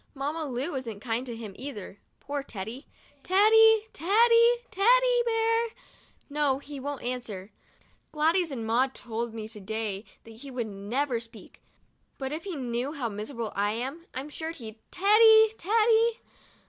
Mamma Lu isn't kind to him either — poor Teddy. Teddy! Teddy! Teddy Bear! No, he won't answer. Gladys and Maud told me to day that he never would speak — but if he knew how miserable I am, I'm sure he'd Teddy! Teddy!